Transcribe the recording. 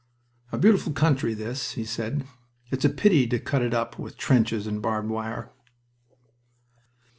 "A beautiful country, this," he said. "It's a pity to cut it up with trenches and barbed wire."